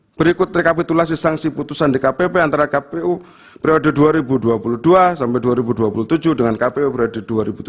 hai berikut rekapitulasi sanksi putusan dkpp antara kpu berada dua ribu dua puluh dua dua ribu dua puluh tujuh dengan kpu berada dua ribu tujuh belas dua ribu dua puluh dua